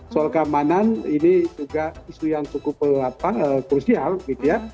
soal keamanan ini juga isu yang cukup krusial gitu ya